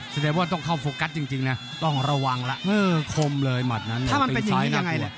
แสดงว่าต้องเข้าโฟกัสจริงนะต้องระวังละคมเลยหมัดนั้นถึงซ้ายน่ากลัว